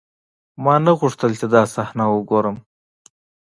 ما نه غوښتل چې دا صحنه وګورم.